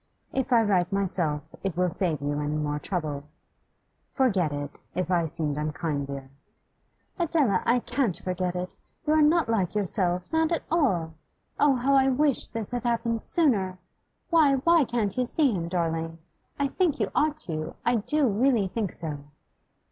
'If I write myself it will save you any more trouble. Forget it, if I seemed unkind, dear.' 'Adela, I can't forget it. You are not like yourself, not at all. Oh, how I wish this had happened sooner! Why, why can't you see him, darling? I think you ought to; I do really think so.